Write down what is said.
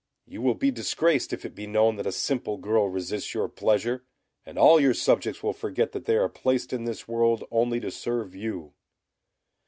You will be disgraced if it be known that a simple girl resists your pleasure, and all your subjects will forget that they are placed in this world only to serve you."